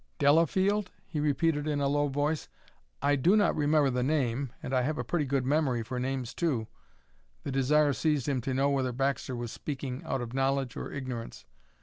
"Delafield?" he repeated in a low voice. "I do not remember the name and I have a pretty good memory for names, too." The desire seized him to know whether Baxter was speaking out of knowledge or ignorance.